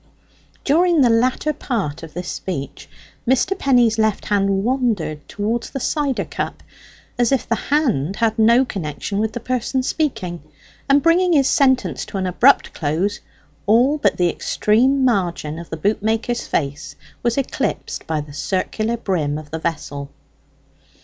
During the latter part of this speech, Mr. Penny's left hand wandered towards the cider cup, as if the hand had no connection with the person speaking; and bringing his sentence to an abrupt close, all but the extreme margin of the bootmaker's face was eclipsed by the circular brim of the vessel.